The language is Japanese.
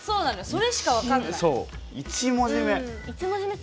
それしか分からない。